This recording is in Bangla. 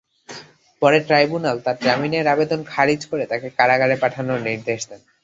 পরে ট্রাইব্যুনাল তাঁর জামিনের আবেদন খারিজ করে তাঁকে কারাগারে পাঠানোর নির্দেশ দেন।